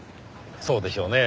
そうでしょうねぇ。